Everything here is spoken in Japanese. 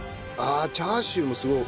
ああチャーシューもすごい。